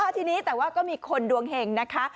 ทีนี้แต่ว่าก็มีคนดวงเห็งนะคะ